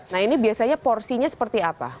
nah ini biasanya porsinya seperti apa